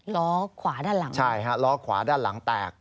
ล้อขวาด้านหลังใช่ฮะล้อขวาด้านหลังแตก